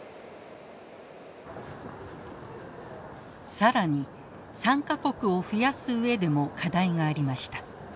更に参加国を増やす上でも課題がありました。